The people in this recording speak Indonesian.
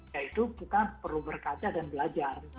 ya itu bukan perlu berkaca dan belajar